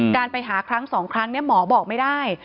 การไปหาครั้ง๒ครั้งหมอบอกไม่ได้